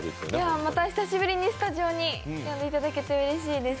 また久しぶりにスタジオに呼んでいただけてうれしいです。